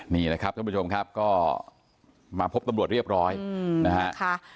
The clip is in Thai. นี่นะครับท่านผู้ชมครับก็มาพบตำรวจเรียบร้อยนะฮะ